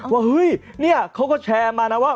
ว่าเฮ้ยเนี่ยเขาก็แชร์มานะว่า